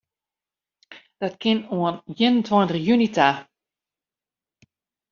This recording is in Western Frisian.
Dat kin oant ien en tweintich juny ta.